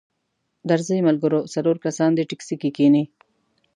درځئ ملګرو څلور کسان دې ټیکسي کې کښینئ.